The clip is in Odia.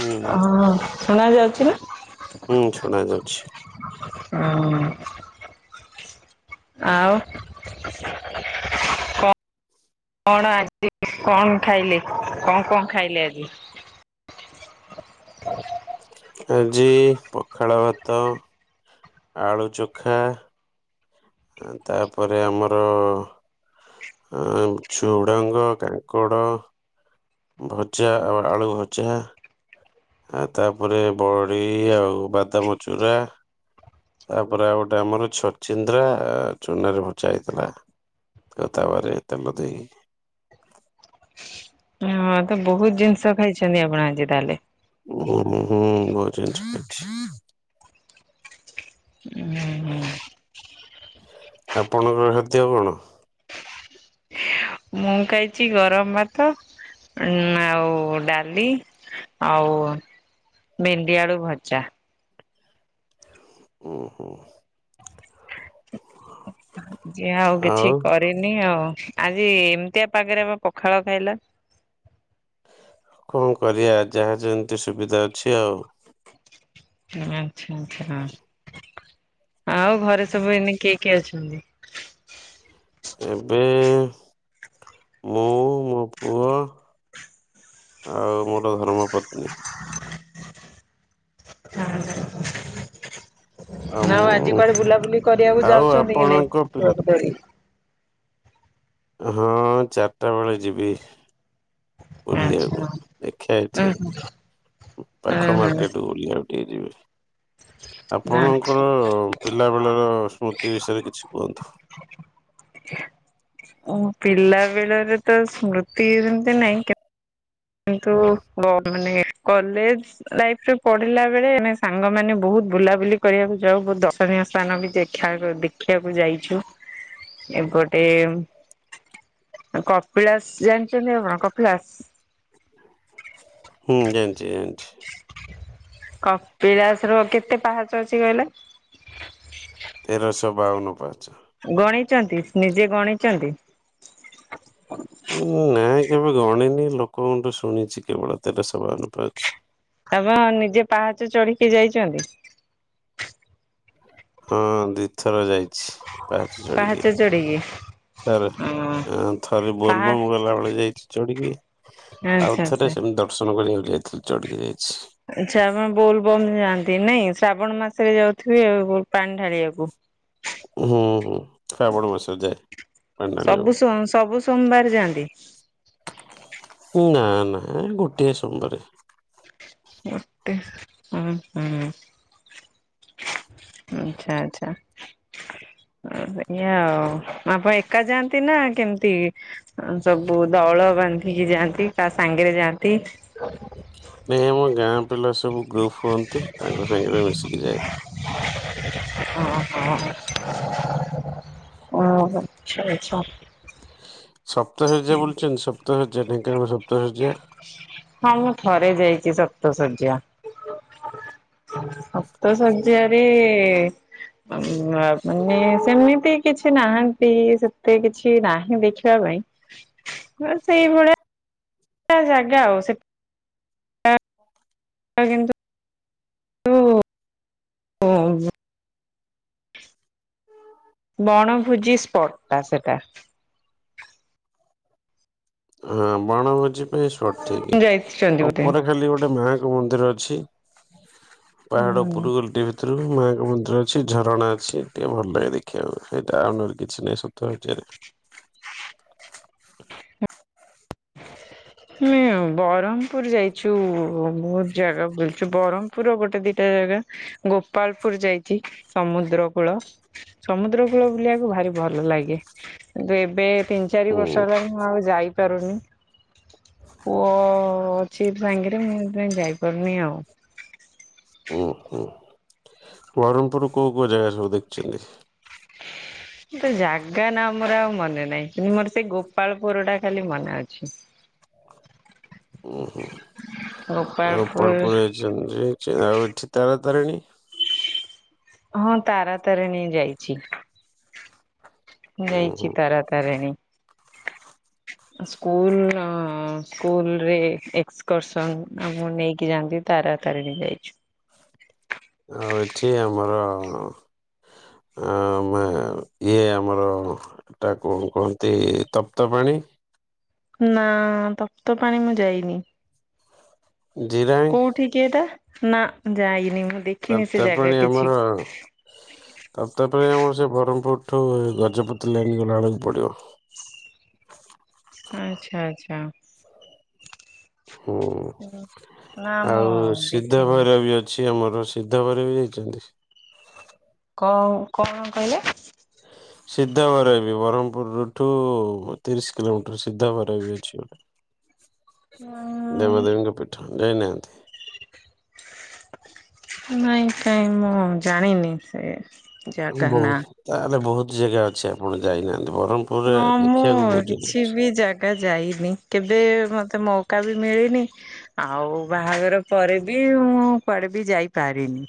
ହୁଁ ହଁ! ଶୁଣା ଯାଉଛି ନା? ହୁଁ! ଶୁଣା ଯାଉଛି। ହ ଆଉ କ କଣ ଆଜି କଣ ଖାଇଲେ, କଣ କଣ ଖାଇଲେ ଆଜି? [inaudible] ଆଜି ପଖାଳ ଭାତ। ଆଳୁ ଚୋଖା। ତା'ପରେ ଆମର ଛୁଡ଼ଙ୍ଗ, କାଙ୍କଡ ଭଜା, ଆଉ ଆଳୁ ଭଜା। ଆ ତା'ପରେ ବଡି ଆଉ ବାଦାମ ଚୁରା। ତା'ପରେ ଆଉ ଗୋଟେ ଆମର ଛଚିନ୍ଦ୍ରା, ଚୁନାରେ ଭଜା ହେଇଥିଲା। ଆଉ ତାୱାରେ ତେଲ ହଁ! ତ ବହୁତ୍ ଜିନିଷ ଖାଇଚନ୍ତି, ଆପଣ ଆଜି ତା'ହେଲେ। ହୁଁ ହୁଁ ବହୁତ ଜିନିଷ ଖାଇଚି। ହୁଁ ହୁଁ ଆପଣଙ୍କ ଖାଦ୍ୟ କ'ଣ? ମୁଁ ଖାଇଚି ଗରମ୍ ଭାତ। ଉଁ ଆଉ ଡାଲି ଆଉ ଭେଣ୍ଡି, ଆଳୁ ଭଜା। ଉଁ ହୁଁ। ଯେ ଆଉ କିଛି କରିନି ଆଉ। ଆଜି ଏମ୍ତିଆ ପାଗେରେ ପଖାଳ ଖାଇଲ? କ'ଣ କରିବା? ଯାହା ଯେମ୍ତି ସୁବିଧା ଅଛି ଆଉ। [inaudible] ଆଉ ଘରେ ସବୁ ଏଇନେ କିଏ କିଏ ଅଛନ୍ତି? ଏବେ ମୁଁ ମୋ ପୁଅ। ଆଉ ମୋର ଧର୍ମପତ୍ନୀ। [inaudible] ଆଉ ଆଜି କୁଆଡେ ବୁଲାବୁଲି କରିବାକୁ ଆଉ ଯାଉଛନ୍ତି କି ନାଇଁ? ଆପଣଙ୍କ ପୁଅ ପିଲା କୁ ହଁ! ଚାରିଟା ବେଳେ ଯିବି। ବୁଲି-କୁ, ଆଚ୍ଛା ଉଁ ଦେଖିଆ ଏଠି ହୁଁ ଉଁ ପାଖ ହୁଁ ମାର୍କେଟ୍ ବୁଲିଆ ଟିକେ ଜିବି। [inaudible] ଆପଣଙ୍କର ଆଚ୍ଛା। ପିଲାବେଳର ସ୍ମୃତି ବିଷୟରେ କିଛି କୁହନ୍ତୁ। ପିଲା ବେଳରେ ତ ସ୍ମୃତି ଯେମିତି ନାଇଁ କେ କିନ୍ତୁ ମାନେ କଲେଜ ଲାଇଫ୍ରେ ପଢିଲା ବେଳେ ଆମ ସାଙ୍ଗମାନେ ବହୁତ ବୁଲାବୁଲି କରିବାକୁ ଯାଉ ବହୁତ ଦର୍ଶନୀୟ ସ୍ଥାନ ବି ଦେଖ ଦେଖିବାକୁ ଯାଇଛୁ। ଏପଟେ କପିଳାସ ଜାଣିଛନ୍ତି ଆପଣ କପିଳାସ ହୁଁ ଜାଣିଚି ଜାଣିଚି କପିଳାସର କେତେ ପାହାଚ ଅଛି କହିଲେ? ତେର ସହ ବାଉନ ପାହାଚ। ଗଣିଚନ୍ତି ନିଜେ ଗଣିଚନ୍ତି? ନା କେବେ ଗଣିନି ଲୋକଙ୍କୁଠୁ ଶୁଣିଛି କେବଳ ତେର ସହ ବାଉନ ପାହାଚ। [unintelligible] ନିଜେ ପାହାଚ ଚଢିକି ଯାଇଚନ୍ତି? ହଁ ଦିଥର ଯାଇଚି। ପାହାଚ ଚଢ଼ିକି ଥରେ ଉଁ ଥରେ ପାହା ବୋଲବମ ଗଲାବେଳେ ଯାଇଚି ଚଢିକି ଆଚ୍ଛା ଆଉଥରେ ଆଚ୍ଛା। ସେମତି ଦର୍ଶନ କରିବାକୁ ଯାଇଥିଲି ଚଢିକି ଯାଇି ଆଛା ଆପଣ ବୋଲବମ୍ ଯାଆନ୍ତି? [unintelligible] ଶ୍ରାବଣ ମାସରେ ଯାଉଥିବେ ଆଉ ପାଣି ଢାଳିବାକୁ। ହୁଁ ହୁଁ ଶ୍ରାବଣ ମାସରେ ଯାଏ ପାଣ୍ଡାଳି ସବୁ ବାବୁ। ସୋମ୍ ସବୁ ସୋମବାର ଯାଆନ୍ତି? ନା ନା ଗୋଟିଏ ସୋମବାରେ। ମୋଟେ ହୁଁ ହୁଁ। ଆଚ୍ଛା ଆଚ୍ଛା। ଏଇା ଆଉ ଆପଣ ଏକା ଯାଆନ୍ତି ନା କେମିତି ସବୁ ଦଳ ବାନ୍ଧିକି ଯାଆନ୍ତି କା ସାଙ୍ଗରେ ଯାଆନ୍ତି? ନାଇଁ ଆମ ଗାଁ ପିଲା ସବୁ ଗ୍ରୁପ ହୁଅନ୍ତି ତାଙ୍କ ସାଙ୍ଗରେ ମିଶିକି ଯାଏ। ହ। [unintelligible] ଓଁ ଆଛା ଆଛା। ସପ୍ତଶଯ୍ୟା ବୁଲିଛନ୍ତି ସପ୍ତଶଯ୍ୟା ଢେଙ୍କାନାଳ ସପ୍ତଶଯ୍ୟା। ହଁ ମୁଁ ଥରେ ଯାଇଛି ସପ୍ତଶଯ୍ୟା। ସପ୍ତଶଯ୍ୟାରେ ମାନେ ସେମିତି କିଛି ନାହାନ୍ତି ସେତେ କିଛି ନାହିଁ ଦେଖିବା ପାଇଁ ସେଇଭଳିଆ ଜାଗା ଆଉ ସେ ତା କିନ୍ତୁ। ହଁ। ବଣଭୋଜି ସ୍ପଟ ଟା ସେଟା। ହଁ ବଣଭୋଜି ପାଇଁ ସଠିକ ଯାଇଛନ୍ତି ଆଉ ବୋଧେ ଉପରେ ଖାଲି ଗୋଟେ ମାଙ୍କ ମନ୍ଦିର ଅ ଛି ପାହାଡ ଉପୁୁର ଗଲଟି ଭିତରେ। ମାଙ୍କ ମନ୍ଦିର ଅଛି ଝରଣା ଅଛି ଟିକେ ଭଲ ଲାଗେ ଦେଖିବାକୁ ସେଇଟା ଆଉ କିଛି ନାହିଁ ସପ୍ତଶଯ୍ୟା ରେ। [inaudible] ହଁ ବ୍ରହ୍ମପୁର ଯାଇଛୁ ବହୁତ ଜାଗା ବୁଲଛୁ ବ୍ରହ୍ମପୁର ଗୋଟେ ଦିଟା ଜାଗା ଗୋପାଳପୁର ଯାଇଛି ସମୁଦ୍ର କୂଳ ସମୁଦ୍ର କୂଳ ବୁଲିବାକୁ ଭାରି ଭଲ ଲାଗେ କିନ୍ତୁ ଏବେ ତିନି ଚାରି ହୁଁ ବର୍ଷ ହେଲାଣି ମୁଁ ଆଉ ଯାଇପାରୁନି। ପୁଅ ଅଛିି ସାଙ୍ଗରେ ମୁଁ କାଇଁ ଯାଇପାରୁନି ଆଉ। ବହରମପୁର କୋଉ କୋଉ ଜାଗା ସବୁ ଦେଖିଛନ୍ତି। ତ ଜାଗା ନା ମୋର ଆଉ ମନେ ନାହିଁ କିନ୍ତୁ ମୋର ସେଇ ଗୋପାଳପୁର ଟା ଖାଲି ମନେ ଅଛି। [inaudible] ଓ ହଁ ଆଉ ଗୋପାଳପୁର କୁଆଡେ କୁଆଡେ ଯାଇଛନ୍ତି? ଆଉ ଏଠି ତାରା ତାରଣୀ? ହଁ ତାରା ତାରିଣି ଯାଇଚି। ମୁଁ ଉଁ ହୁଁ ଯାଇଚି ତାରା ତାରିଣୀ। ସ୍କୁଲର ସ୍କୁଲରେ ଏକ୍ସକର୍ସନ ଆମକୁ ନେଇକି ଯାଆନ୍ତି। ତାରା ତାରାଣୀ ଯାଇଚୁ। ହଁ। ଆ ମା ଇଏ ଆମର ଏଟା କଣ କୁହନ୍ତି ତପ୍ତ ପାଣି। ନାଁ ତପ୍ତ ପାଣି ମୁଁ ଯାଇନି। ଜିରାଙ୍ଗ କୋଉଠିକି ଏଟା ନାଁ ଯାଇନି। ମୁଁ ଦେଖିନି ସେ ତପ୍ତ ଜାଗା ପାଣି କିଛି ଆମର ତପ୍ତପାଣି ଆମର ସେ ବ୍ରହ୍ମପୁର ଏଠୁ ଏ ଗଜପତି ଲାଇନ ଗଲା ବେଳକୁ ପଡିବ। ଆଚ୍ଛା ଆଚ୍ଛା। ହୁଁ ନା ମୁଁ ଆଉ ସିଦ୍ଧ ଦେଖିନି। ଭୈରବି ଅଛି। ଏଇ ଆମର ସିଦ୍ଧ ଭୈରବୀ ବି ଯାଇଚନ୍ତି? କଣ କଣ କହିଲେ? ସିଦ୍ଧଭୈରବୀ ବ୍ରହ୍ମପୁରରୁୁଠୁ ତିରିଶ କିଲୋମିଟର ସିଦ୍ଧ ଭୈରବୀ ଅଛି ଗୋଟେ। ଆଁ ଯାଇ ନାହାନ୍ତି। ନାଇଁ କାଇଁ ମୁଁ ଜାଣିନି ସେ ଜାଗା ନା। ବୋହୁତ ତାହେଲେ ବୋହୁତ ଜେଗା ଅଛି ଆପଣ ଯାଇନାହାନ୍ତି। ବ୍ରହ୍ମପୁରରେ ହଁ ମୁଁ ଦେଖିବାକୁ ବହୁତ ଜାଗା କିଛି ବି ଜାଗା ଯାଇନି କେବେ ମତେ ମୋ ଉକା ବି ମିଳିନି ଆଉ ବାହାଘର ପରେ ବି ମୁଁ କୁଆଡେ ବି ଯାଇପାରିନି।